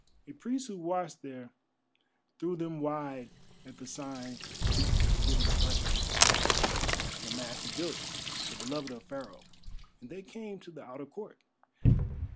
A priest who watched there threw them wide at the sign that was given of Rei, the Master Builder, the beloved of Pharaoh, and they came to the outer court.